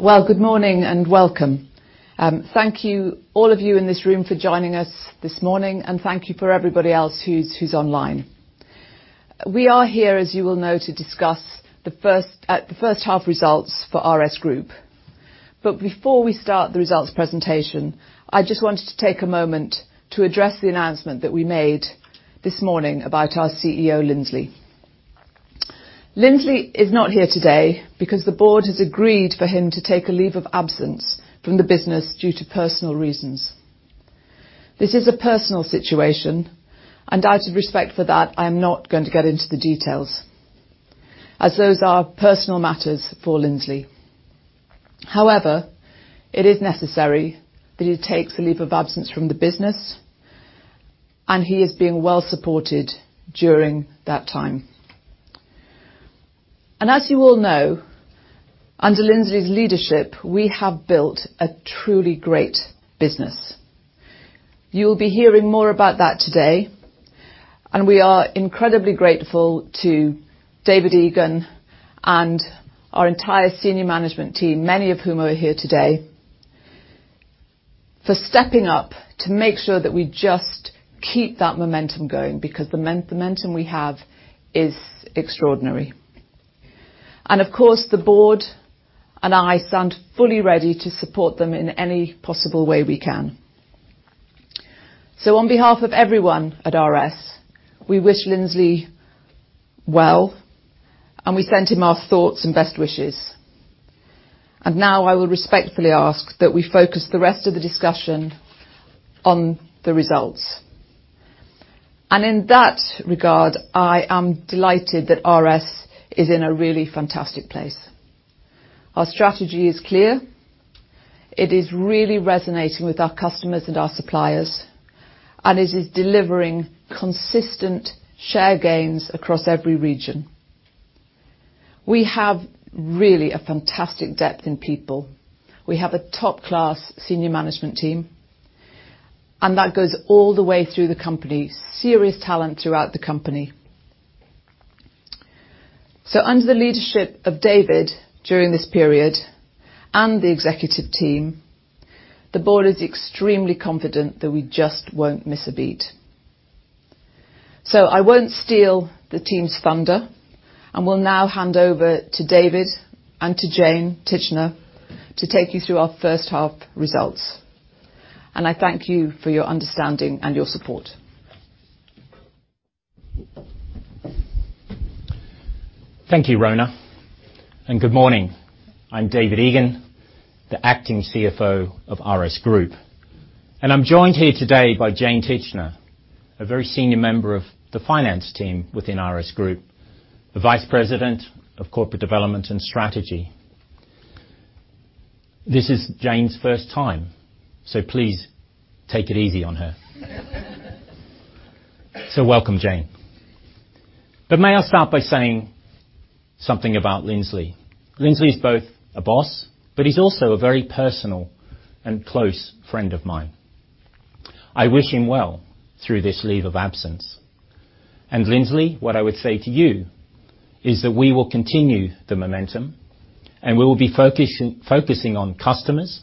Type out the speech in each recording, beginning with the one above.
Well, good morning, and welcome. Thank you, all of you in this room for joining us this morning and thank you for everybody else who's online. We are here, as you will know, to discuss the first half results for RS Group. Before we start the results presentation, I just wanted to take a moment to address the announcement that we made this morning about our CEO, Lindsley. Lindsley is not here today because the board has agreed for him to take a leave of absence from the business due to personal reasons. This is a personal situation, and out of respect for that, I am not going to get into the details, as those are personal matters for Lindsley. However, it is necessary that he takes a leave of absence from the business, and he is being well supported during that time. As you all know, under Lindsley's leadership, we have built a truly great business. You'll be hearing more about that today, and we are incredibly grateful to David Egan and our entire senior management team, many of whom are here today, for stepping up to make sure that we just keep that momentum going because the momentum we have is extraordinary. Of course, the board and I stand fully ready to support them in any possible way we can. On behalf of everyone at RS, we wish Lindsley well, and we send him our thoughts and best wishes. Now I will respectfully ask that we focus the rest of the discussion on the results. In that regard, I am delighted that RS is in a really fantastic place. Our strategy is clear. It is really resonating with our customers and our suppliers, and it is delivering consistent share gains across every region. We have really a fantastic depth in people. We have a top-class senior management team, and that goes all the way through the company. Serious talent throughout the company. Under the leadership of David during this period and the executive team, the board is extremely confident that we just won't miss a beat. I won't steal the team's thunder and will now hand over to David and to Jane Titchener to take you through our first half results. I thank you for your understanding and your support. Thank you, Rona. Good morning. I'm David Egan, the Acting CFO of RS Group. I'm joined here today by Jane Titchener, a very senior member of the finance team within RS Group, the Vice President of Corporate Development and Strategy. This is Jane's first time, so please take it easy on her. Welcome, Jane. May I start by saying something about Lindsley. Lindsley is both a boss, but he's also a very personal and close friend of mine. I wish him well through this leave of absence. Lindsley, what I would say to you is that we will continue the momentum, and we will be focusing on customers,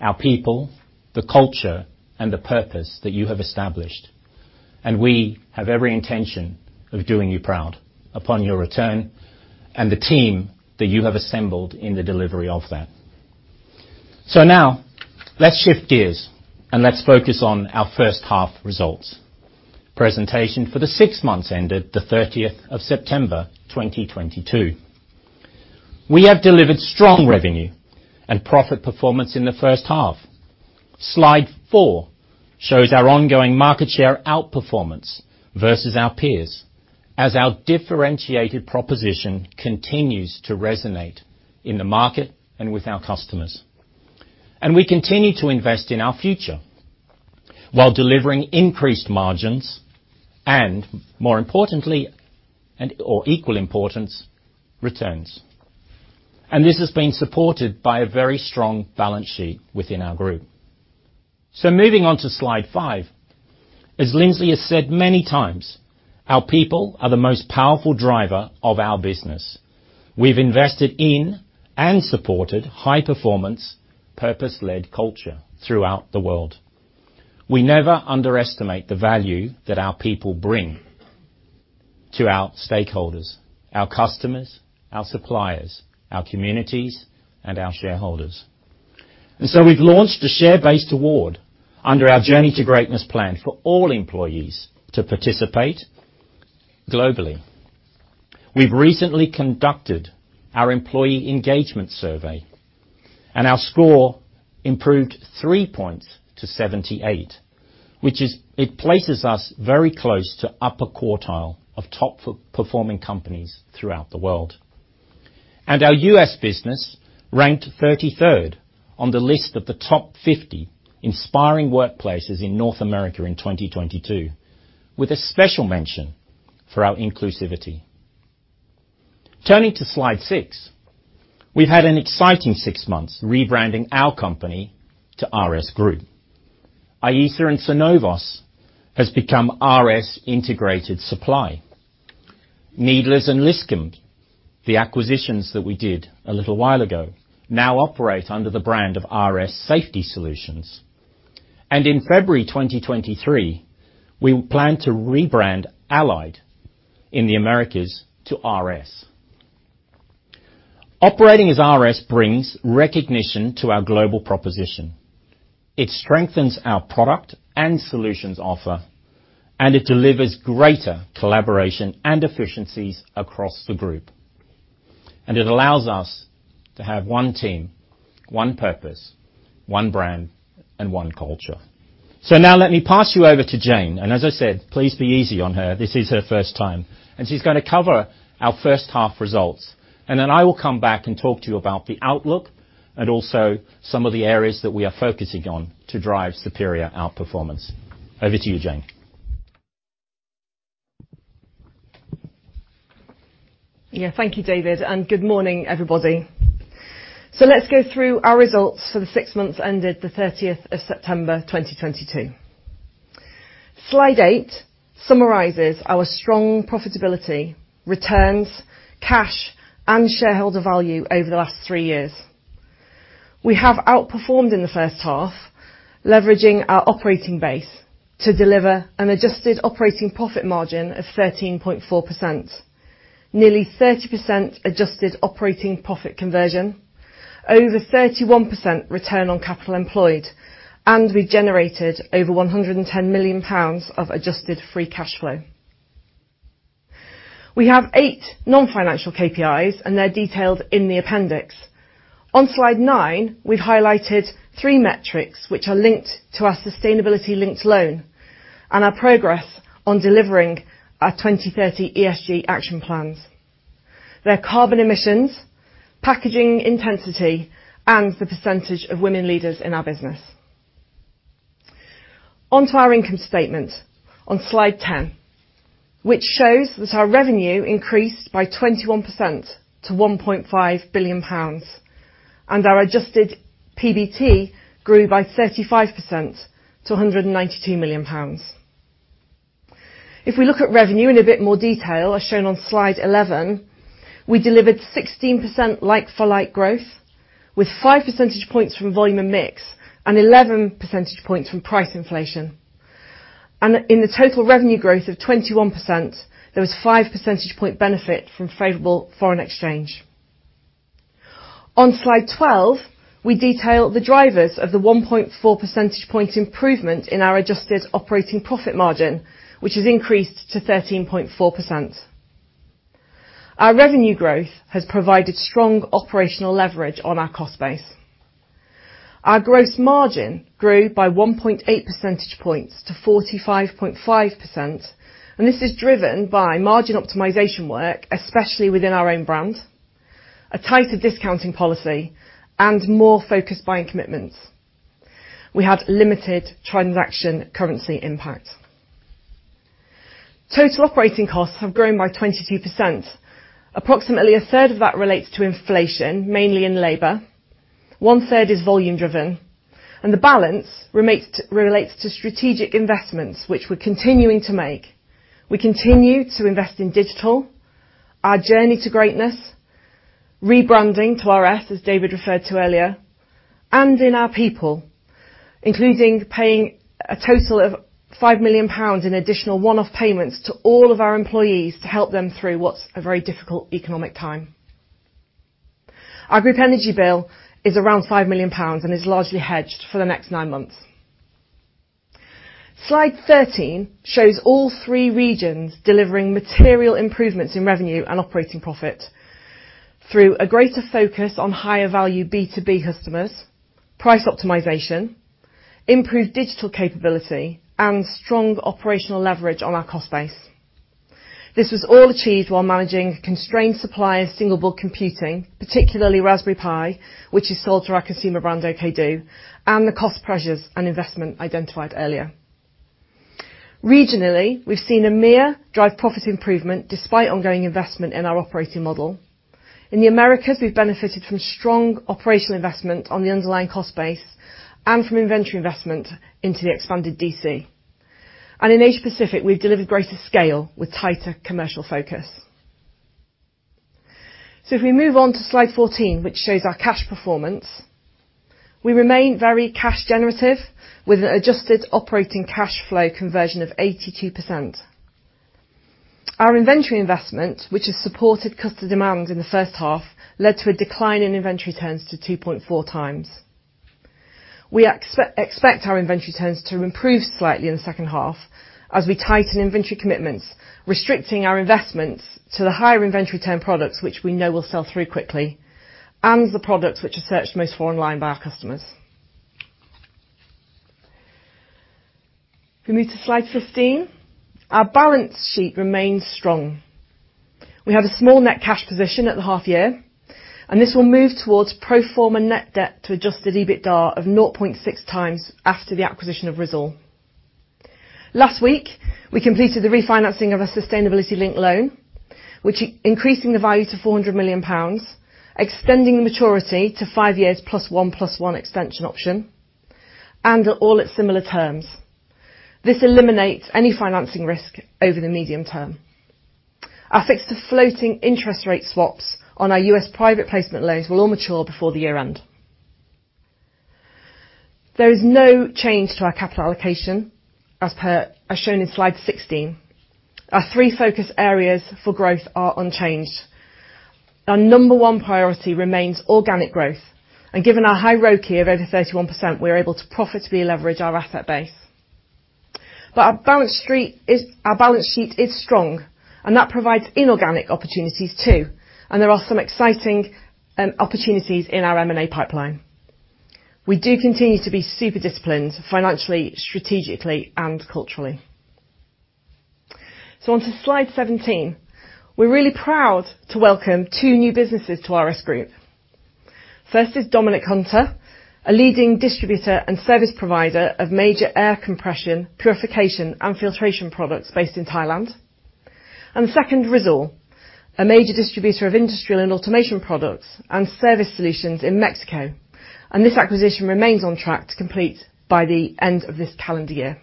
our people, the culture, and the purpose that you have established. We have every intention of doing you proud upon your return, and the team that you have assembled in the delivery of that. Now let's shift gears, and let's focus on our first half results. Presentation for the six months ended the September 30th, 2022. We have delivered strong revenue and profit performance in the first half. Slide four shows our ongoing market share outperformance versus our peers, as our differentiated proposition continues to resonate in the market and with our customers. We continue to invest in our future while delivering increased margins and, more importantly, of equal importance, returns. This has been supported by a very strong balance sheet within our Group. Moving on to slide five. As Lindsley has said many times, our people are the most powerful driver of our business. We've invested in and supported high performance, purpose-led culture throughout the world. We never underestimate the value that our people bring to our stakeholders, our customers, our suppliers, our communities, and our shareholders. We've launched a share-based award under our Journey to Greatness plan for all employees to participate globally. We've recently conducted our employee engagement survey, and our score improved three points to 78, which is, it places us very close to upper quartile of top performing companies throughout the world. Our U.S. business ranked 33rd on the list of the top 50 Inspiring Workplaces in North America in 2022, with a special mention for our inclusivity. Turning to slide six. We've had an exciting six months rebranding our company to RS Group. IESA and Synovos has become RS Integrated Supply. Needlers and Liscombe, the acquisitions that we did a little while ago, now operate under the brand of RS Safety Solutions. In February 2023, we plan to rebrand Allied in the Americas to RS. Operating as RS brings recognition to our global proposition. It strengthens our product and solutions offer, and it delivers greater collaboration and efficiencies across the Group. It allows us to have one team, one purpose, one brand, and one culture. Now let me pass you over to Jane. As I said, please be easy on her. This is her first time. She's gonna cover our first half results, and then I will come back and talk to you about the outlook and also some of the areas that we are focusing on to drive superior outperformance. Over to you, Jane. Yeah. Thank you, David, and good morning, everybody. Let's go through our results for the six months ended the September 30th, 2022. Slide eight summarizes our strong profitability, returns, cash, and shareholder value over the last three years. We have outperformed in the first half, leveraging our operating base to deliver an adjusted operating profit margin of 13.4%, nearly 30% adjusted operating profit conversion, over 31% return on capital employed, and we generated over 110 million pounds of adjusted free cash flow. We have eight non-financial KPIs, and they're detailed in the appendix. On slide nine, we've highlighted three metrics which are linked to our sustainability-linked loan and our progress on delivering our 2030 ESG Action Plans. They're carbon emissions, packaging intensity, and the percentage of women leaders in our business. On to our income statement on slide 10, which shows that our revenue increased by 21% to 1.5 billion pounds, and our adjusted PBT grew by 35% to 192 million pounds. If we look at revenue in a bit more detail, as shown on slide 11, we delivered 16% like-for-like growth with 5 percentage points from volume and mix and 11 percentage points from price inflation. In the total revenue growth of 21%, there was 5 percentage point benefit from favorable foreign exchange. On slide 12, we detail the drivers of the 1.4 percentage point improvement in our adjusted operating profit margin, which has increased to 13.4%. Our revenue growth has provided strong operational leverage on our cost base. Our gross margin grew by 1.8 percentage points to 45.5%, and this is driven by margin optimization work, especially within our own brand, a tighter discounting policy, and more focused buying commitments. We had limited transaction currency impact. Total operating costs have grown by 22%. Approximately a third of that relates to inflation, mainly in labor, one third is volume driven and the balance relates to strategic investments, which we're continuing to make. We continue to invest in digital, our Journey to Greatness, rebranding to RS, as David referred to earlier, and in our people, including paying a total of 5 million pounds in additional one-off payments to all of our employees to help them through what's a very difficult economic time. Our Group energy bill is around 5 million pounds and is largely hedged for the next nine months. Slide 13 shows all three regions delivering material improvements in revenue and operating profit through a greater focus on higher value B2B customers, price optimization, improved digital capability, and strong operational leverage on our cost base. This was all achieved while managing constrained supply of single board computing, particularly Raspberry Pi, which is sold through our consumer brand, OKdo, and the cost pressures and investment identified earlier. Regionally, we've seen EMEA drive profit improvement despite ongoing investment in our operating model. In the Americas, we've benefited from strong operational investment on the underlying cost base and from inventory investment into the expanded DC. In Asia Pacific, we've delivered greater scale with tighter commercial focus. If we move on to slide 14, which shows our cash performance, we remain very cash generative with an adjusted operating cash flow conversion of 82%. Our inventory investment, which has supported customer demand in the first half, led to a decline in inventory turns to 2.4x. We expect our inventory turns to improve slightly in the second half as we tighten inventory commitments, restricting our investments to the higher inventory turn products which we know will sell through quickly, and the products which are searched most online by our customers. If we move to slide 15, our balance sheet remains strong. We have a small net cash position at the half year, and this will move towards pro forma net debt to adjusted EBITDA of 0.6x after the acquisition of Risoul. Last week, we completed the refinancing of a sustainability-linked loan, which increasing the value to 400 million pounds, extending maturity to five years plus one, plus one extension option, and all at similar terms. This eliminates any financing risk over the medium term. Our fixed to floating interest rate swaps on our U.S. private placement loans will all mature before the year-end. There is no change to our capital allocation as shown in slide 16. Our three focus areas for growth are unchanged. Our number one priority remains organic growth. Given our high ROCE of over 31%, we're able to profitably leverage our asset base. Our balance sheet is strong, and that provides inorganic opportunities too, and there are some exciting opportunities in our M&A pipeline. We do continue to be super disciplined financially, strategically, and culturally. On to slide 17. We're really proud to welcome two new businesses to RS Group. First is Domnick Hunter, a leading distributor and service provider of major air compression, purification, and filtration products based in Thailand. Second, Risoul, a major distributor of industrial and automation products and service solutions in Mexico, and this acquisition remains on track to complete by the end of this calendar year.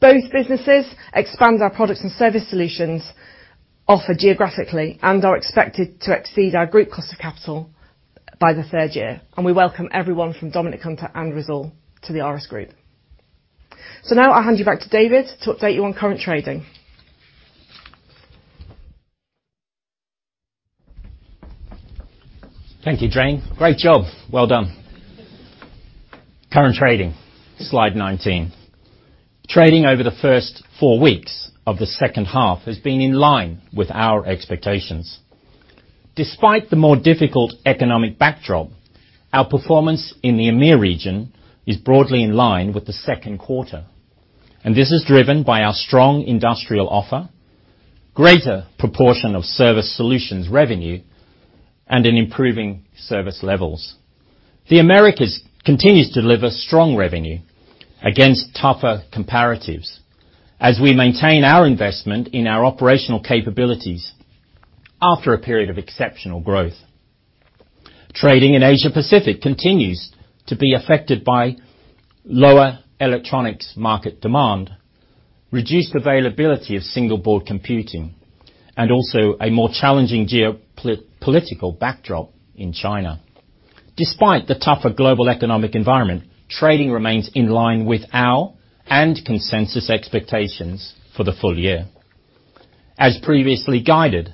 Both businesses expand our products and service solutions offer geographically and are expected to exceed our Group cost of capital by the third year, and we welcome everyone from Domnick Hunter and Risoul to the RS Group. Now I'll hand you back to David to update you on current trading. Thank you, Jane. Great job. Well done. Current trading, slide 19. Trading over the first four weeks of the second half has been in line with our expectations. Despite the more difficult economic backdrop, our performance in the EMEA region is broadly in line with the second quarter, and this is driven by our strong industrial offer, greater proportion of service solutions revenue, and an improving service levels. The Americas continues to deliver strong revenue against tougher comparatives as we maintain our investment in our operational capabilities after a period of exceptional growth. Trading in Asia Pacific continues to be affected by lower electronics market demand, reduced availability of single-board computing, and also a more challenging geopolitical backdrop in China. Despite the tougher global economic environment, trading remains in line with our and consensus expectations for the full year. As previously guided,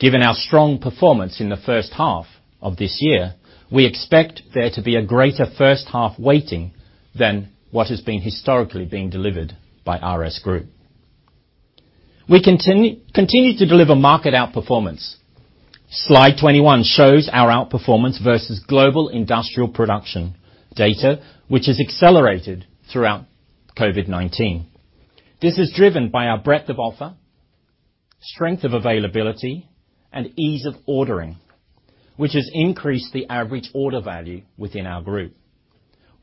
given our strong performance in the first half of this year, we expect there to be a greater first half weighting than what has historically been delivered by RS Group. We continue to deliver market outperformance. Slide 21 shows our outperformance versus global industrial production data, which has accelerated throughout COVID-19. This is driven by our breadth of offer, strength of availability, and ease of ordering, which has increased the average order value within our Group.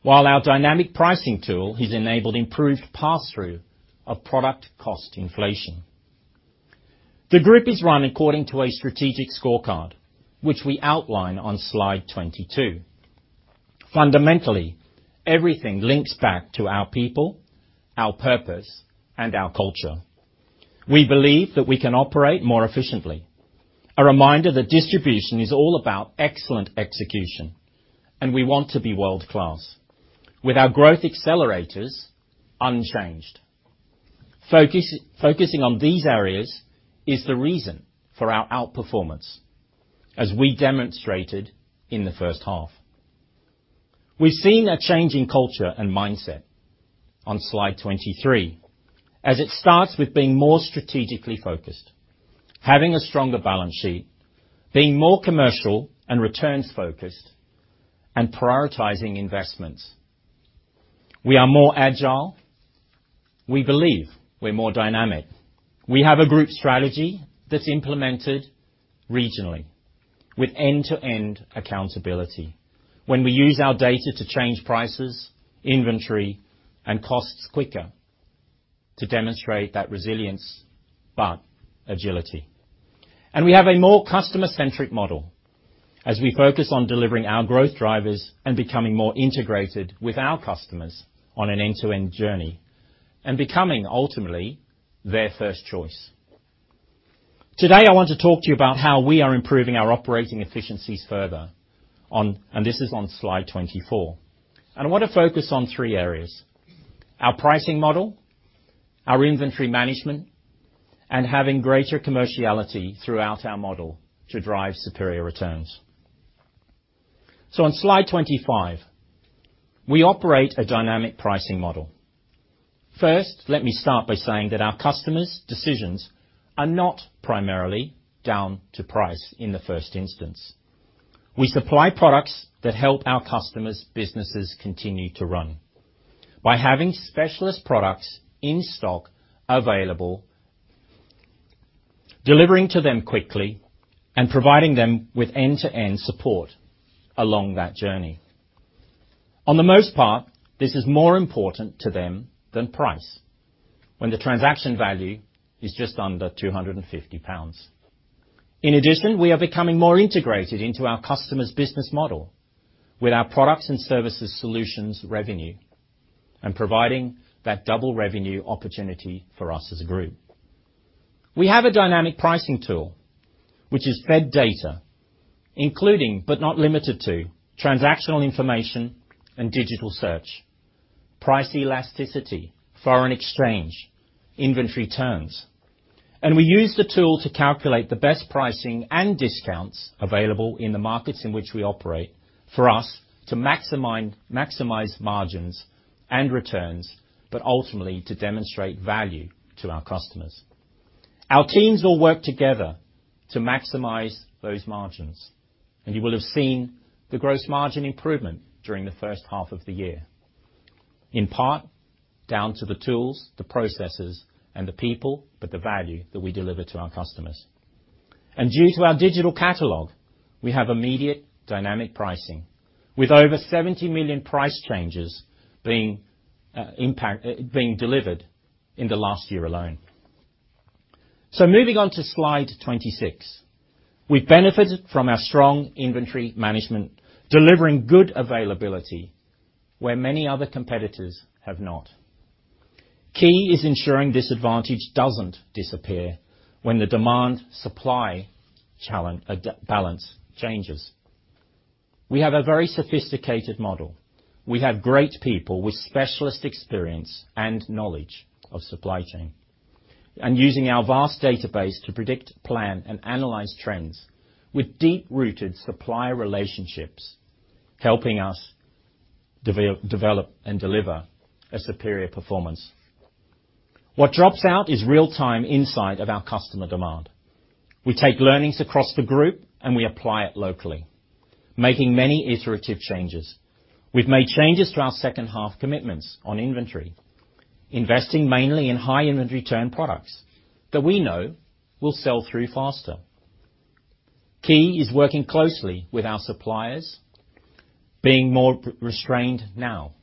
While our dynamic pricing tool has enabled improved pass-through of product cost inflation. The Group is run according to a strategic scorecard, which we outline on slide 22. Fundamentally, everything links back to our people, our purpose, and our culture. We believe that we can operate more efficiently. A reminder that distribution is all about excellent execution, and we want to be world-class with our growth accelerators unchanged. Focusing on these areas is the reason for our outperformance, as we demonstrated in the first half. We've seen a change in culture and mindset. On slide 23, as it starts with being more strategically focused, having a stronger balance sheet, being more commercial and returns-focused, and prioritizing investments. We are more agile. We believe we're more dynamic. We have a Group strategy that's implemented regionally with end-to-end accountability when we use our data to change prices, inventory, and costs quicker to demonstrate that resilience but agility. We have a more customer-centric model as we focus on delivering our growth drivers and becoming more integrated with our customers on an end-to-end journey and becoming ultimately their first choice. Today, I want to talk to you about how we are improving our operating efficiencies further on, and this is on slide 24. I wanna focus on three areas: our pricing model, our inventory management, and having greater commerciality throughout our model to drive superior returns. On side 25, we operate a dynamic pricing model. First, let me start by saying that our customers' decisions are not primarily down to price in the first instance. We supply products that help our customers' businesses continue to run by having specialist products in stock available, delivering to them quickly and providing them with end-to-end support along that journey. For the most part, this is more important to them than price when the transaction value is just under 250 pounds. In addition, we are becoming more integrated into our customers' business model with our products and services solutions revenue, and providing that double revenue opportunity for us as a Group. We have a dynamic pricing tool which is fed data, including but not limited to transactional information and digital search, price elasticity, foreign exchange, inventory turns, and we use the tool to calculate the best pricing and discounts available in the markets in which we operate for us to maximize margins and returns, but ultimately to demonstrate value to our customers. Our teams all work together to maximize those margins, and you will have seen the gross margin improvement during the first half of the year. In part, down to the tools, the processes, and the people, but the value that we deliver to our customers. Due to our digital catalog, we have immediate dynamic pricing with over 70 million price changes being delivered in the last year alone. Moving on to slide 26. We've benefited from our strong inventory management, delivering good availability where many other competitors have not. Key is ensuring this advantage doesn't disappear when the demand supply balance changes. We have a very sophisticated model. We have great people with specialist experience and knowledge of supply chain. Using our vast database to predict, plan, and analyze trends with deep-rooted supplier relationships, helping us develop and deliver a superior performance. What drops out is real-time insight of our customer demand. We take learnings across the Group, and we apply it locally, making many iterative changes. We've made changes to our second half commitments on inventory, investing mainly in high inventory turn products that we know will sell through faster. Key is working closely with our suppliers, being more restrained now,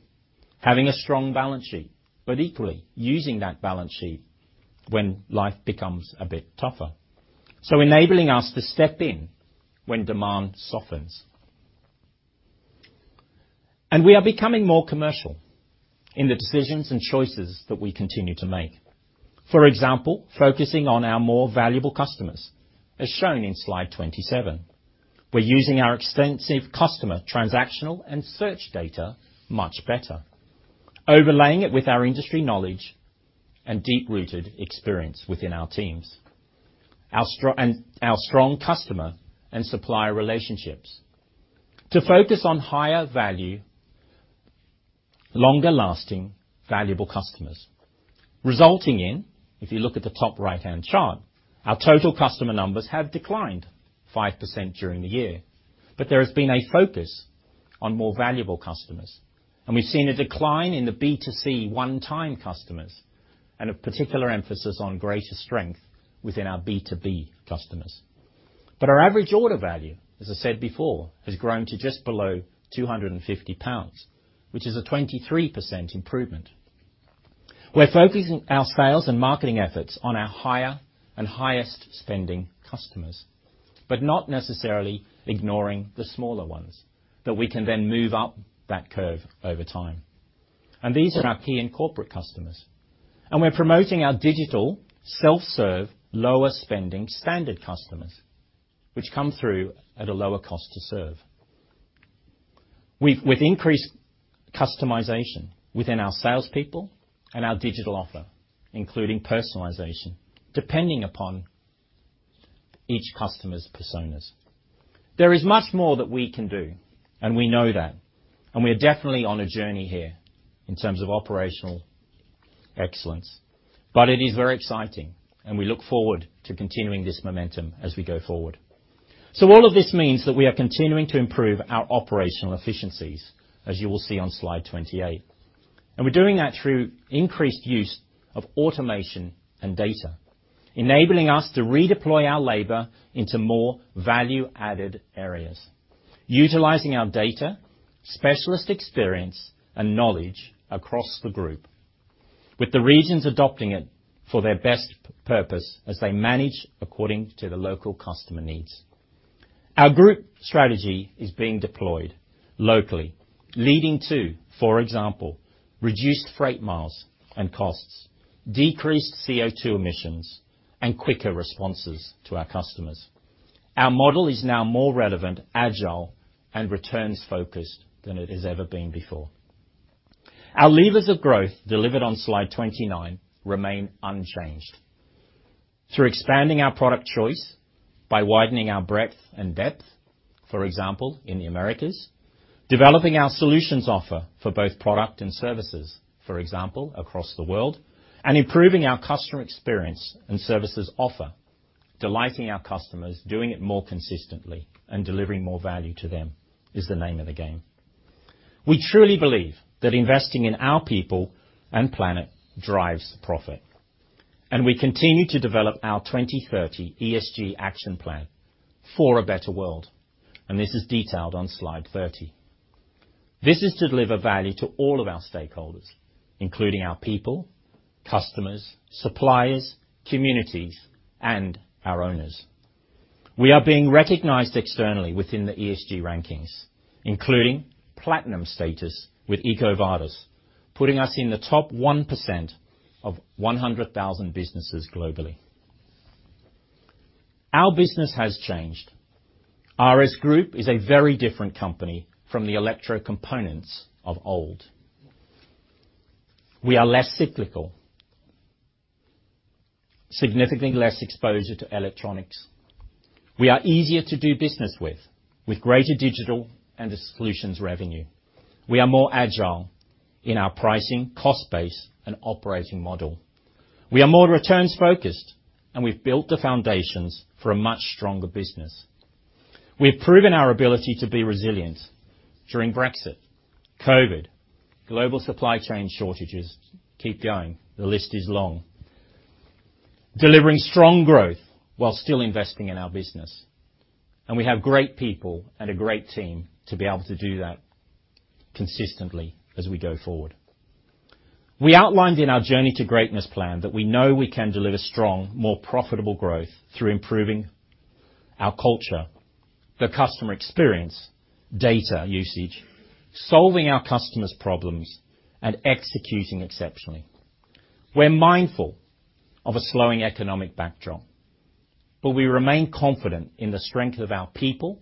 having a strong balance sheet, but equally using that balance sheet when life becomes a bit tougher. Enabling us to step in when demand softens. We are becoming more commercial in the decisions and choices that we continue to make. For example, focusing on our more valuable customers, as shown in slide 27. We're using our extensive customer transactional and search data much better. Overlaying it with our industry knowledge and deep-rooted experience within our teams, and our strong customer and supplier relationships to focus on higher value, longer-lasting, valuable customers, resulting in, if you look at the top right-hand chart, our total customer numbers have declined 5% during the year, but there has been a focus on more valuable customers, and we've seen a decline in the B2C one-time customers, and a particular emphasis on greater strength within our B2B customers. Our average order value, as I said before, has grown to just below 250 pounds, which is a 23% improvement. We're focusing our sales and marketing efforts on our higher and highest spending customers, but not necessarily ignoring the smaller ones that we can then move up that curve over time. These are our key and corporate customers. We're promoting our digital self-serve, lower spending standard customers, which come through at a lower cost to serve. We've increased customization within our salespeople and our digital offer, including personalization, depending upon each customer's personas. There is much more that we can do, and we know that, and we are definitely on a journey here in terms of operational excellence. It is very exciting, and we look forward to continuing this momentum as we go forward. All of this means that we are continuing to improve our operational efficiencies, as you will see on slide 28. We're doing that through increased use of automation and data, enabling us to redeploy our labor into more value-added areas, utilizing our data, specialist experience, and knowledge across the Group, with the regions adopting it for their best purpose as they manage according to the local customer needs. Our Group strategy is being deployed locally, leading to, for example, reduced freight miles and costs, decreased CO2 emissions, and quicker responses to our customers. Our model is now more relevant, agile, and returns-focused than it has ever been before. Our levers of growth delivered on slide 29 remain unchanged. Through expanding our product choice by widening our breadth and depth, for example, in the Americas, developing our solutions offer for both product and services, for example, across the world, and improving our customer experience and services offer, delighting our customers, doing it more consistently and delivering more value to them is the name of the game. We truly believe that investing in our people and planet drives profit. We continue to develop our 2030 ESG Action Plan for a better world, and this is detailed on slide 30. This is to deliver value to all of our stakeholders, including our people, customers, suppliers, communities, and our owners. We are being recognized externally within the ESG rankings, including platinum status with EcoVadis, putting us in the top 1% of 100,000 businesses globally. Our business has changed. RS Group is a very different company from the Electrocomponents of old. We are less cyclical, significantly less exposure to electronics. We are easier to do business with greater digital and solutions revenue. We are more agile in our pricing, cost base, and operating model. We are more returns focused, and we've built the foundations for a much stronger business. We've proven our ability to be resilient during Brexit, COVID, global supply chain shortages. Keep going. The list is long. Delivering strong growth while still investing in our business. We have great people and a great team to be able to do that consistently as we go forward. We outlined in our Journey to Greatness plan that we know we can deliver strong, more profitable growth through improving our culture, the customer experience, data usage, solving our customers' problems, and executing exceptionally. We're mindful of a slowing economic backdrop, but we remain confident in the strength of our people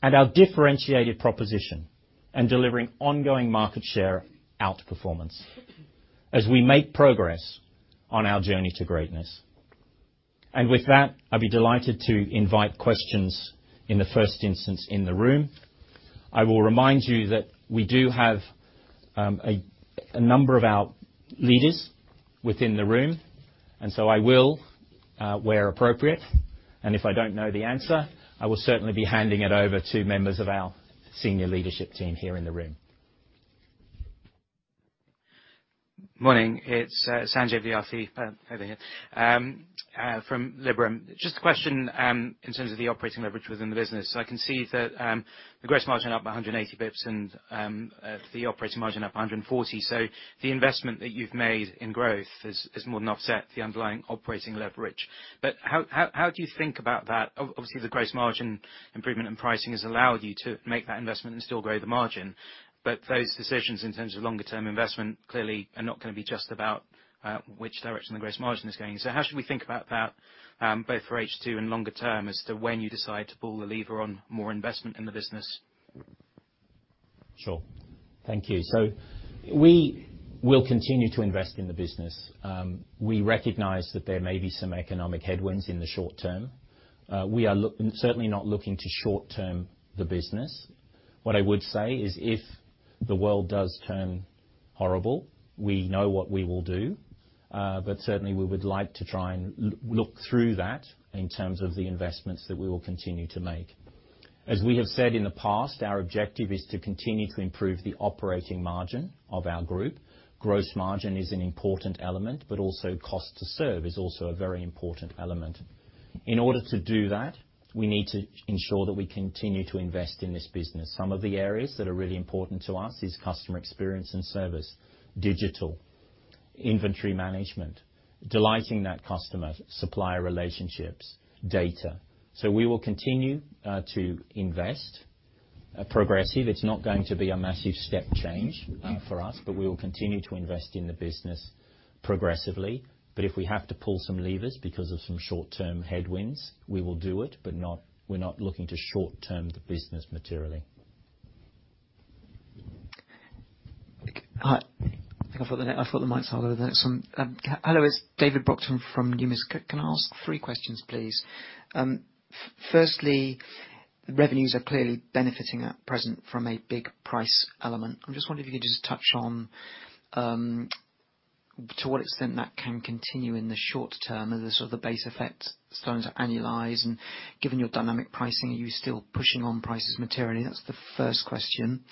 and our differentiated proposition in delivering ongoing market share outperformance as we make progress on our Journey to Greatness. With that, I'd be delighted to invite questions in the first instance in the room. I will remind you that we do have a number of our leaders within the room, and so I will, where appropriate, and if I don't know the answer, I will certainly be handing it over to members of our senior leadership team here in the room. Morning, it's Sanjay Vidyarthi over here from Liberum. Just a question in terms of the operating leverage within the business. I can see that the gross margin up 180 bps and the operating margin up 140 bps. The investment that you've made in growth has more than offset the underlying operating leverage. How do you think about that? Obviously, the gross margin improvement in pricing has allowed you to make that investment and still grow the margin. Those decisions in terms of longer-term investment clearly are not gonna be just about which direction the gross margin is going. How should we think about that both for H2 and longer-term as to when you decide to pull the lever on more investment in the business? Sure. Thank you. We will continue to invest in the business. We recognize that there may be some economic headwinds in the short term. We are certainly not looking to short term the business. What I would say is if the world does turn horrible, we know what we will do. We would like to try and look through that in terms of the investments that we will continue to make. As we have said in the past, our objective is to continue to improve the operating margin of our Group. Gross margin is an important element, but also cost to serve is also a very important element. In order to do that, we need to ensure that we continue to invest in this business. Some of the areas that are really important to us is customer experience and service, digital, inventory management, delighting that customer, supplier relationships, data. We will continue to invest progressively. It's not going to be a massive step change for us, but we will continue to invest in the business progressively. If we have to pull some levers because of some short-term headwinds, we will do it, but we're not looking to short-term the business materially. Hi. I think I've got the mic spot over there. Hello, it's David Brockton from Numis. Can I ask three questions, please? Firstly, revenues are clearly benefiting at present from a big price element. I'm just wondering if you could just touch on to what extent that can continue in the short term as the sort of the base effect starting to annualize. Given your dynamic pricing, are you still pushing on prices materially? That's the first question.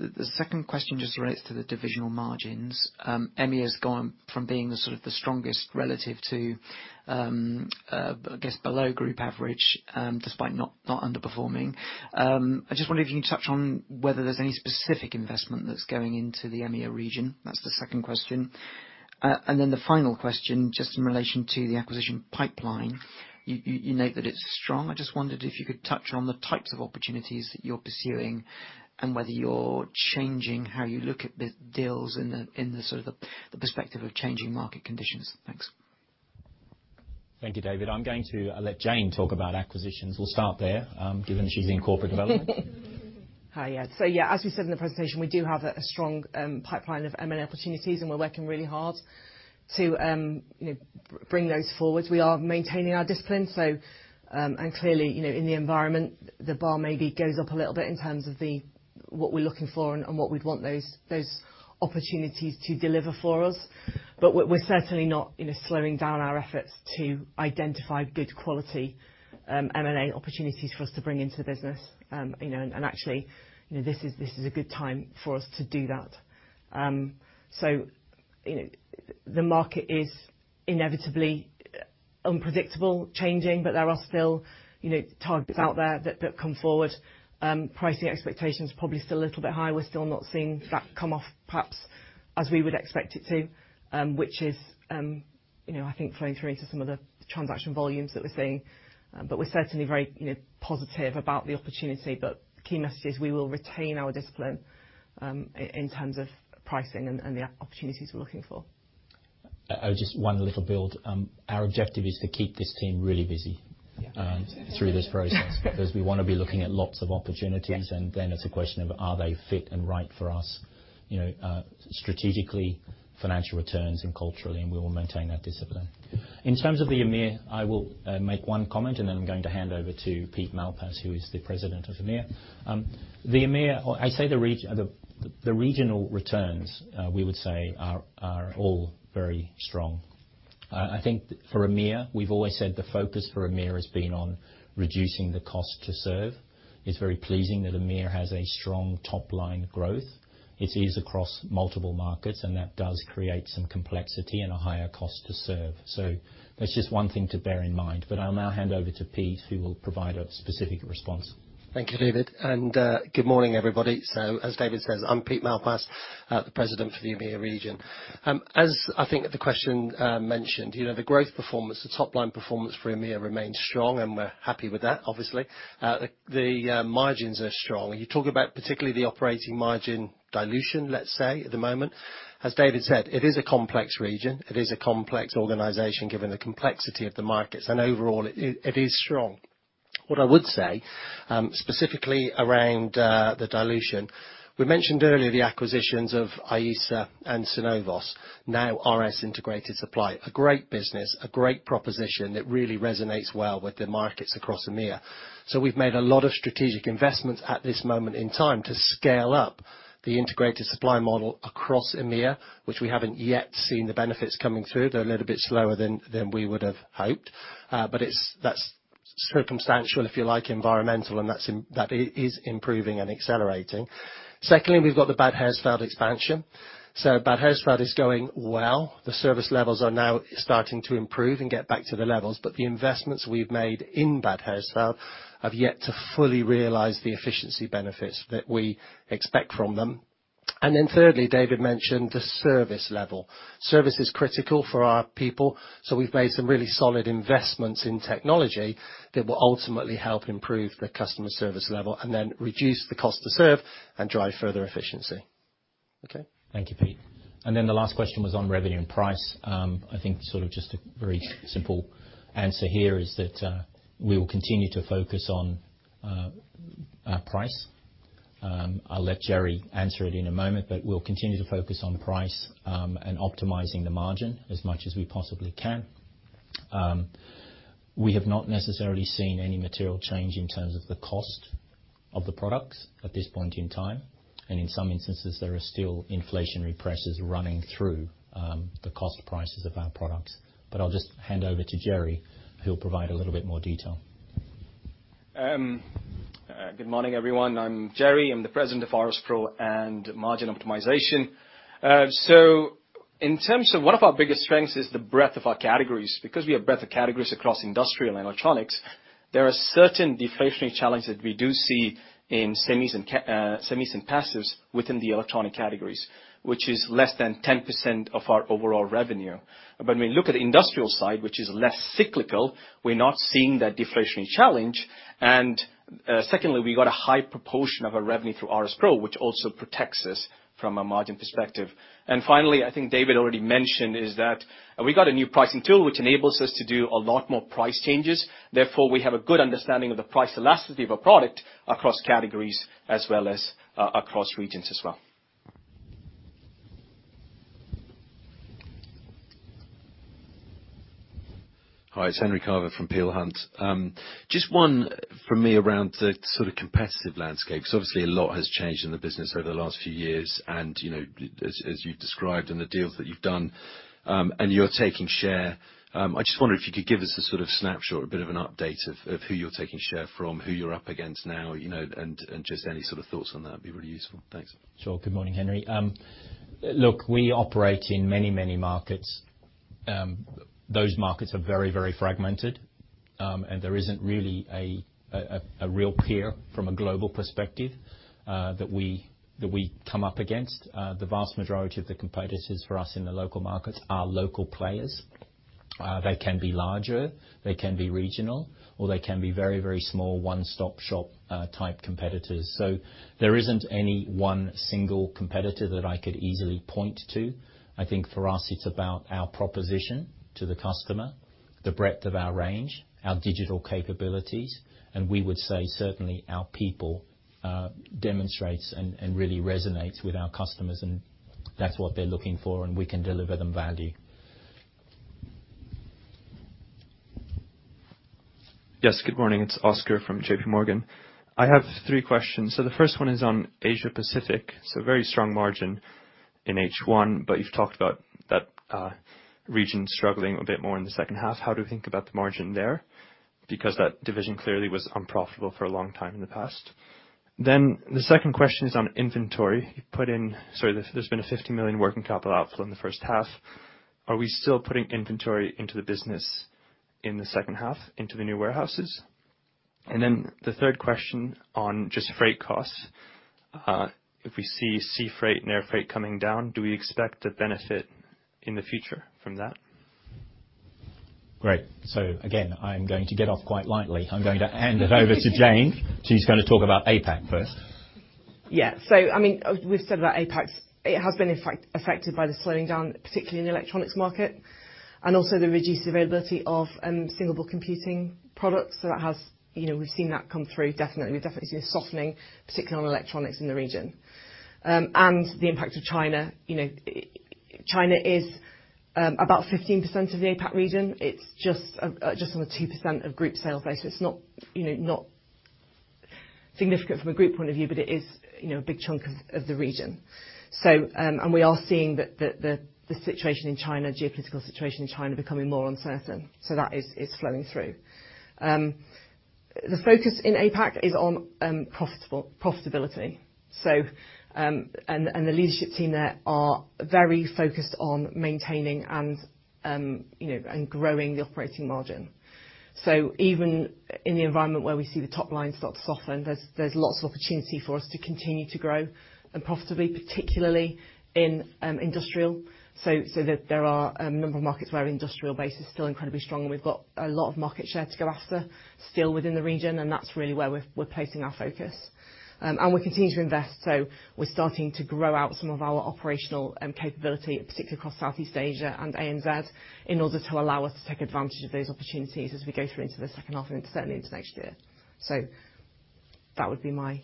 The second question just relates to the divisional margins. EMEA has gone from being the sort of the strongest relative to, I guess below Group average, despite not underperforming. I just wonder if you can touch on whether there's any specific investment that's going into the EMEA region. That's the second question. The final question, just in relation to the acquisition pipeline. You note that it's strong. I just wondered if you could touch on the types of opportunities that you're pursuing and whether you're changing how you look at the deals in the sort of perspective of changing market conditions. Thanks. Thank you, David. I'm going to let Jane talk about acquisitions. We'll start there, given that she's in corporate development. Yeah, as we said in the presentation, we do have a strong pipeline of M&A opportunities, and we're working really hard to, you know, bring those forwards. We are maintaining our discipline, and clearly, you know, in the environment, the bar maybe goes up a little bit in terms of what we're looking for and what we'd want those opportunities to deliver for us. But we're certainly not, you know, slowing down our efforts to identify good quality M&A opportunities for us to bring into the business. You know, and actually, you know, this is a good time for us to do that. You know, the market is inevitably unpredictable, changing, but there are still, you know, targets out there that come forward. Pricing expectations probably still a little bit high. We're still not seeing that come off perhaps as we would expect it to, which is, you know, I think flowing through into some of the transaction volumes that we're seeing. We're certainly very, you know, positive about the opportunity, but the key message is we will retain our discipline, in terms of pricing and the opportunities we're looking for. Just one little build. Our objective is to keep this team really busy. Yeah. through this process, 'cause we wanna be looking at lots of opportunities. Yeah. It's a question of are they fit and right for us, you know, strategically, financial returns and culturally, and we will maintain that discipline. In terms of the EMEA, I will make one comment, and then I'm going to hand over to Pete Malpas, who is the President of EMEA. The regional returns we would say are all very strong. I think for EMEA, we've always said the focus for EMEA has been on reducing the cost to serve. It's very pleasing that EMEA has a strong top-line growth. It is across multiple markets, and that does create some complexity and a higher cost to serve. That's just one thing to bear in mind, but I'll now hand over to Pete, who will provide a specific response. Thank you, David. Good morning, everybody. As David says, I'm Pete Malpas, the President for the EMEA region. As I think the question mentioned, you know, the growth performance, the top-line performance for EMEA remains strong, and we're happy with that, obviously. The margins are strong. You talk about particularly the operating margin dilution, let's say, at the moment. As David said, it is a complex region. It is a complex organization, given the complexity of the markets, and overall, it is strong. What I would say, specifically around the dilution, we mentioned earlier the acquisitions of IESA and Synovos, now RS Integrated Supply. A great business, a great proposition that really resonates well with the markets across EMEA. We've made a lot of strategic investments at this moment in time to scale up the integrated supply model across EMEA, which we haven't yet seen the benefits coming through. They're a little bit slower than we would have hoped. But it's-- that's circumstantial, if you like, environmental, and that's improving and accelerating. Secondly, we've got the Bad Hersfeld expansion. Bad Hersfeld is going well. The service levels are now starting to improve and get back to the levels, but the investments we've made in Bad Hersfeld have yet to fully realize the efficiency benefits that we expect from them. Thirdly, David mentioned the service level. Service is critical for our people, so we've made some really solid investments in technology that will ultimately help improve the customer service level and then reduce the cost to serve and drive further efficiency. Okay. Thank you, Pete. Then the last question was on revenue and price. I think sort of just a very simple answer here is that we will continue to focus on our price. I'll let Jerry answer it in a moment, but we'll continue to focus on price and optimizing the margin as much as we possibly can. We have not necessarily seen any material change in terms of the cost of the products at this point in time. In some instances, there are still inflationary pressures running through the cost prices of our products. I'll just hand over to Jerry, who'll provide a little bit more detail. Good morning, everyone. I'm Jerry. I'm the President of RS PRO and Margin Optimization. In terms of one of our biggest strengths is the breadth of our categories. Because we have breadth of categories across industrial and electronics, there are certain deflationary challenges we do see in semis and passives within the electronic categories, which is less than 10% of our overall revenue. When we look at the industrial side, which is less cyclical, we're not seeing that deflationary challenge. Secondly, we got a high proportion of our revenue through RS PRO, which also protects us from a margin perspective. Finally, I think David already mentioned is that we got a new pricing tool which enables us to do a lot more price changes. Therefore, we have a good understanding of the price elasticity of a product across categories as well as, across regions as well. Hi, it's Henry Carver from Peel Hunt. Just one from me around the sort of competitive landscape. Obviously a lot has changed in the business over the last few years and, you know, as you've described and the deals that you've done, and you're taking share. I just wondered if you could give us a sort of snapshot or a bit of an update of who you're taking share from, who you're up against now, you know, and just any sort of thoughts on that would be really useful. Thanks. Sure. Good morning, Henry. Look, we operate in many markets. Those markets are very fragmented, and there isn't really a real peer from a global perspective, that we come up against. The vast majority of the competitors for us in the local markets are local players. They can be larger, they can be regional, or they can be very small one-stop shop type competitors. There isn't any one single competitor that I could easily point to. I think for us it's about our proposition to the customer, the breadth of our range, our digital capabilities, and we would say certainly our people demonstrates and really resonates with our customers and that's what they're looking for and we can deliver them value. Yes. Good morning. It's Oscar from JPMorgan. I have three questions. The first one is on Asia Pacific. Very strong margin in H1, but you've talked about that, region struggling a bit more in the second half. How do we think about the margin there? Because that division clearly was unprofitable for a long time in the past. The second question is on inventory. You put in. Sorry, there's been a 50 million working capital outflow in the first half. Are we still putting inventory into the business in the second half into the new warehouses? The third question on just freight costs. If we see sea freight and air freight coming down, do we expect to benefit in the future from that? Great. I'm going to get off quite lightly. I'm going to hand it over to Jane. She's gonna talk about APAC first. Yeah. I mean, we've said about APAC. It has been affected by the slowing down, particularly in the electronics market and also the reduced availability of single-board computing products. That has, you know, we've seen that come through definitely. We definitely see a softening, particularly on electronics in the region. The impact of China. You know, China is about 15% of the APAC region. It's just on the 2% of Group sales base. It's not, you know, significant from a Group point of view, but it is, you know, a big chunk of the region. We are seeing the geopolitical situation in China becoming more uncertain. That is flowing through. The focus in APAC is on profitability. The leadership team there are very focused on maintaining and, you know, and growing the operating margin. Even in the environment where we see the top line start to soften, there's lots of opportunity for us to continue to grow and profitably, particularly in industrial. There are a number of markets where our industrial base is still incredibly strong, and we've got a lot of market share to go after still within the region, and that's really where we're placing our focus. We continue to invest, so we're starting to grow out some of our operational capability, particularly across Southeast Asia and ANZ, in order to allow us to take advantage of those opportunities as we go through into the second half and certainly into next year. That would be my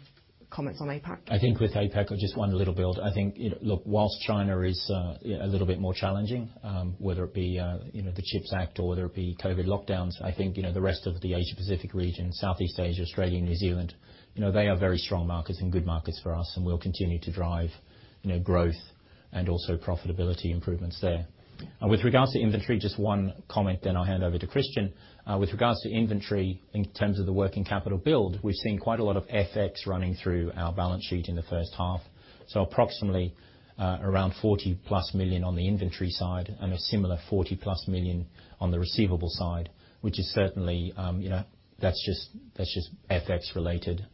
comments on APAC. I think with APAC, just one little build. I think, you know, look, while China is a little bit more challenging, whether it be, you know, the CHIPS Act or whether it be COVID lockdowns, I think, you know, the rest of the Asia Pacific region, Southeast Asia, Australia, New Zealand, you know, they are very strong markets and good markets for us, and we'll continue to drive, you know, growth and also profitability improvements there. With regards to inventory, just one comment then I'll hand over to Christian. With regards to inventory in terms of the working capital build, we've seen quite a lot of FX running through our balance sheet in the first half. Approximately 40+ million on the inventory side and a similar 40+ million on the receivable side, which is certainly, you know, that's just FX related.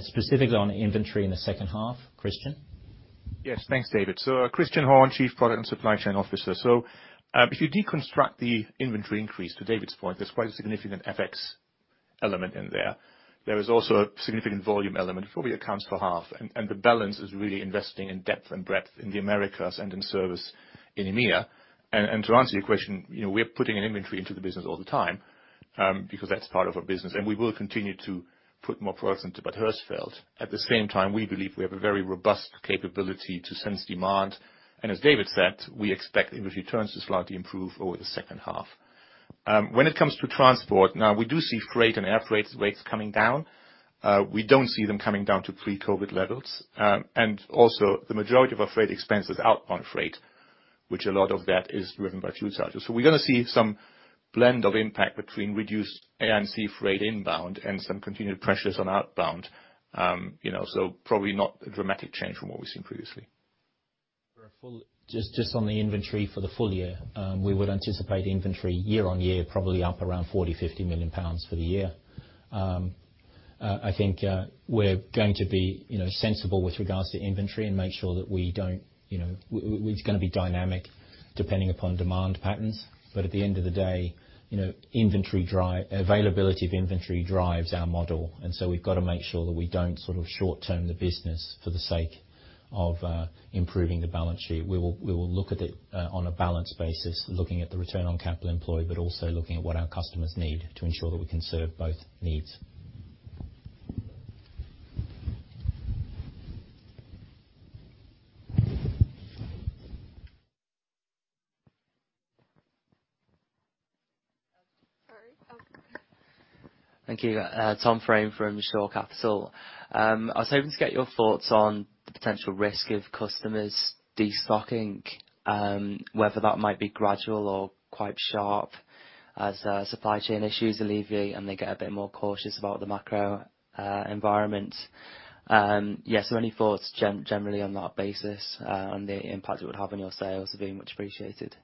Specifically on inventory in the second half, Christian. Yes. Thanks, David. Christian Horn, Chief Product and Supply Chain Officer. If you deconstruct the inventory increase to David's point, there's quite a significant FX element in there. There is also a significant volume element, probably accounts for half, and the balance is really investing in depth and breadth in the Americas and in service in EMEA. To answer your question, you know, we are putting an inventory into the business all the time, because that's part of our business, and we will continue to put more products into Bad Hersfeld. At the same time, we believe we have a very robust capability to sense demand. As David said, we expect inventory turns to slightly improve over the second half. When it comes to transport, now, we do see freight and air freight rates coming down. We don't see them coming down to pre-COVID levels. Also the majority of our freight expense is outbound freight, which a lot of that is driven by fuel charges. We're gonna see some blend of impact between reduced A&C freight inbound and some continued pressures on outbound. You know, so probably not a dramatic change from what we've seen previously. Just on the inventory for the full year, we would anticipate inventory year-on-year, probably up around 40 million, 50 million pounds for the year. I think we're going to be sensible with regards to inventory and make sure that we don't which is gonna be dynamic depending upon demand patterns. At the end of the day, you know, availability of inventory drives our model, and so we've got to make sure that we don't sort of short-term the business for the sake of improving the balance sheet. We will look at it on a balanced basis, looking at the return on capital employed, but also looking at what our customers need to ensure that we can serve both needs. Sorry. Oh. Thank you. Tom Frame from Shore Capital. I was hoping to get your thoughts on the potential risk of customers destocking, whether that might be gradual or quite sharp as supply chain issues alleviate, and they get a bit more cautious about the macro environment. Yes, any thoughts generally on that basis, on the impact it would have on your sales will be much appreciated.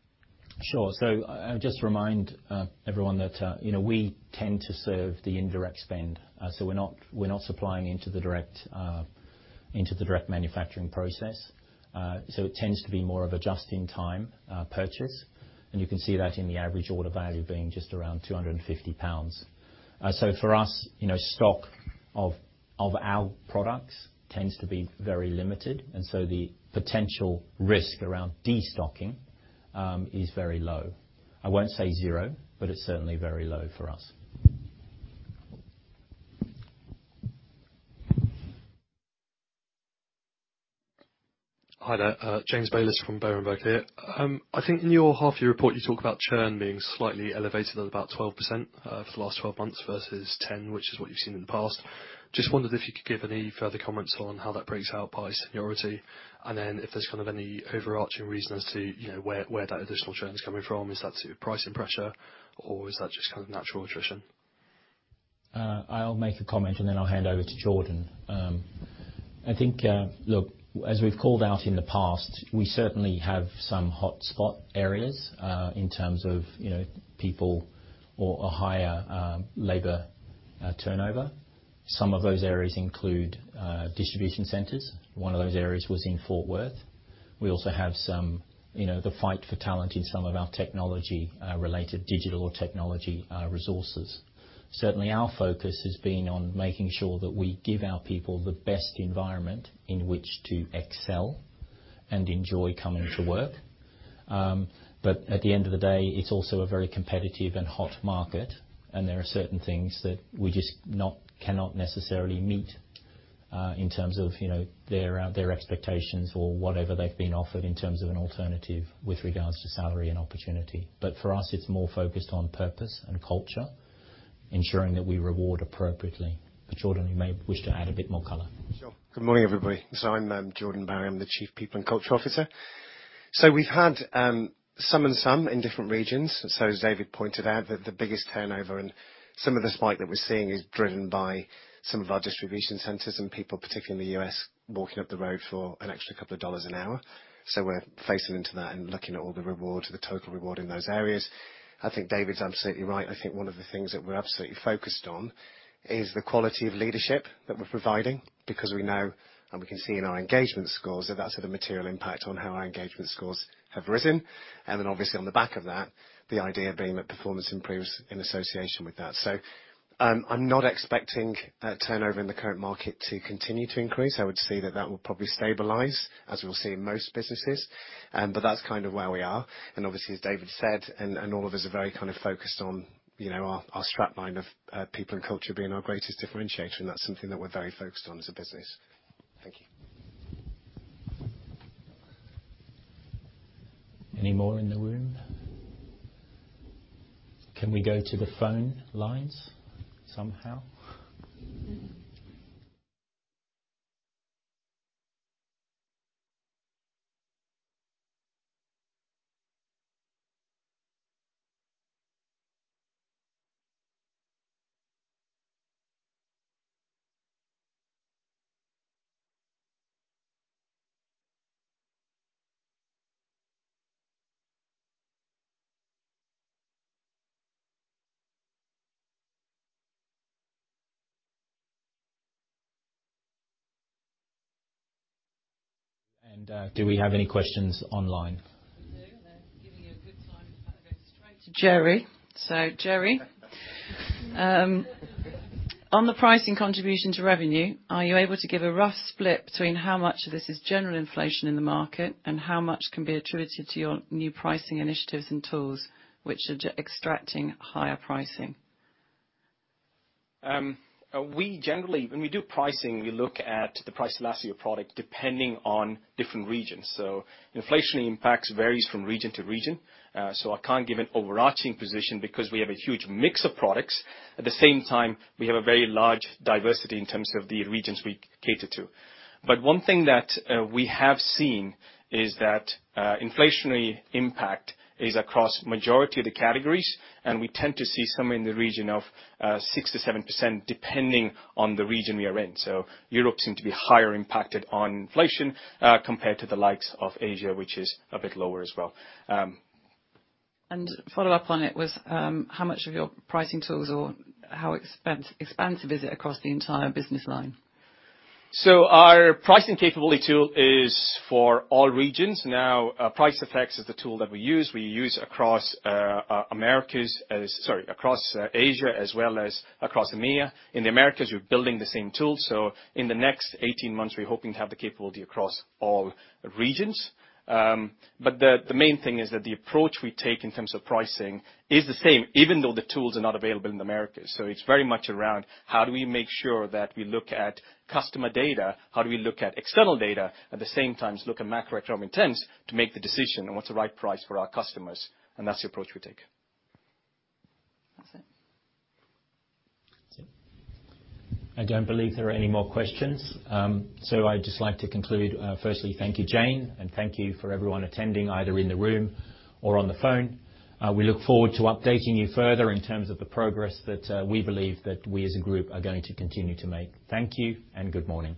Sure. I'll just remind everyone that you know, we tend to serve the indirect spend. We're not supplying into the direct manufacturing process. It tends to be more of a just-in-time purchase. You can see that in the average order value being just around 250 pounds. For us, you know, stock of our products tends to be very limited, and so the potential risk around destocking is very low. I won't say zero, but it's certainly very low for us. Hi there. James Bayliss from Berenberg here. I think in your half-year report, you talk about churn being slightly elevated at about 12%, for the last 12 months versus 10%, which is what you've seen in the past. Just wondered if you could give any further comments on how that breaks out by seniority. If there's kind of any overarching reason as to, you know, where that additional churn is coming from. Is that due to pricing pressure, or is that just kind of natural attrition? I'll make a comment, and then I'll hand over to Jordan. I think, look, as we've called out in the past, we certainly have some hotspot areas in terms of, you know, people or a higher labor turnover. Some of those areas include distribution centers. One of those areas was in Fort Worth. We also have some, you know, the fight for talent in some of our technology related digital or technology resources. Certainly, our focus has been on making sure that we give our people the best environment in which to excel and enjoy coming to work. At the end of the day, it's also a very competitive and hot market, and there are certain things that we just cannot necessarily meet, in terms of, you know, their expectations or whatever they've been offered in terms of an alternative with regards to salary and opportunity. For us, it's more focused on purpose and culture, ensuring that we reward appropriately. Jordan, you may wish to add a bit more color. Sure. Good morning, everybody. I'm Jordan Barry. I'm the Chief People and Culture Officer. We've had some, and some in different regions. As David pointed out, the biggest turnover and some of the spike that we're seeing is driven by some of our distribution centers and people, particularly in the U.S., walking up the road for an extra couple of dollars an hour. We're facing into that and looking at all the reward, the total reward in those areas. I think David's absolutely right. I think one of the things that we're absolutely focused on is the quality of leadership that we're providing because we know, and we can see in our engagement scores, that that's had a material impact on how our engagement scores have risen. Then obviously on the back of that, the idea being that performance improves in association with that. I'm not expecting turnover in the current market to continue to increase. I would say that will probably stabilize, as we'll see in most businesses, but that's kind of where we are. Obviously, as David said, and all of us are very kind of focused on, you know, our strap line of people and culture being our greatest differentiator, and that's something that we're very focused on as a business. Thank you. Any more in the room? Can we go to the phone lines somehow? Do we have any questions online? We do. They're giving you a good time. In fact, they're going straight to Jerry. Jerry, on the pricing contribution to revenue, are you able to give a rough split between how much of this is general inflation in the market and how much can be attributed to your new pricing initiatives and tools which are extracting higher pricing? We generally, when we do pricing, we look at the price elasticity of product depending on different regions. Inflationary impacts varies from region to region, so I can't give an overarching position because we have a huge mix of products. At the same time, we have a very large diversity in terms of the regions we cater to. One thing that we have seen is that inflationary impact is across majority of the categories, and we tend to see somewhere in the region of 6%-7% depending on the region we are in. Europe seem to be higher impacted on inflation compared to the likes of Asia, which is a bit lower as well. Follow-up on it was, how much of your pricing tools or how expansive is it across the entire business line? Our pricing capability tool is for all regions. Now, Pricefx is the tool that we use. We use across Americas, across Asia as well as across EMEA. In the Americas, we're building the same tool, so in the next 18 months, we're hoping to have the capability across all regions. The main thing is that the approach we take in terms of pricing is the same even though the tools are not available in the Americas. It's very much around how do we make sure that we look at customer data? How do we look at external data? At the same time, look at macroeconomic trends to make the decision on what's the right price for our customers, and that's the approach we take. That's it. I don't believe there are any more questions. I'd just like to conclude, firstly, thank you, Jane, and thank you for everyone attending, either in the room or on the phone. We look forward to updating you further in terms of the progress that we believe that we as a Group are going to continue to make. Thank you and good morning.